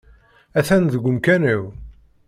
Atan deg umkan-iw.